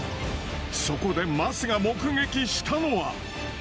そこで桝が目撃したのは。